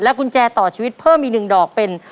กุญแจต่อชีวิตเพิ่มอีก๑ดอกเป็น